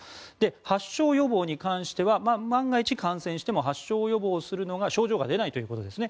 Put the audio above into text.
発症予防に関しては万が一感染しても発症予防する症状が出ないということですね